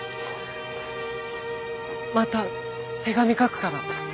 また手紙書くから。